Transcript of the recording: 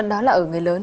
dạ đó là ở người lớn